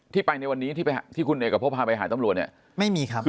ที่ไปในวันนี้ที่ไปที่คุณเอกพบพาไปหาตำรวจเนี่ยไม่มีครับ